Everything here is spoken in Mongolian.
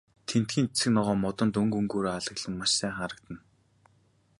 Тэндхийн цэцэг ногоо, модод өнгө өнгөөр алаглан маш сайхан санагдана.